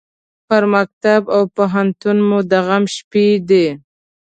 پر مکتب او پوهنتون مو د غم شپې دي